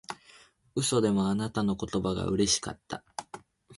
嘘でもあなたの言葉がうれしかった